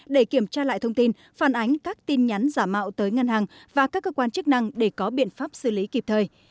để kiểm tra lại thông tin phản ánh các tin nhắn giả mạo tới ngân hàng và các cơ quan chức năng để có biện pháp xử lý kịp thời